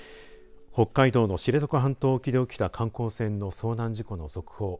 北海道の知床半島沖で起きた観光船の遭難事故の続報。